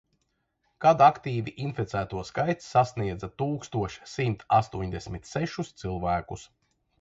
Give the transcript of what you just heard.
Kad aktīvi inficēto skaits sasniedza tūkstoš simt astoņdesmit sešus cilvēkus.